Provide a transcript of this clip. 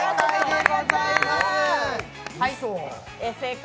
正解！